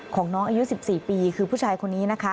ของน้องอายุ๑๔ปีคือผู้ชายคนนี้นะคะ